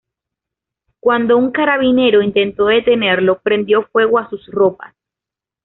Cuando un carabinero intentó detenerlo, prendió fuego a sus ropas.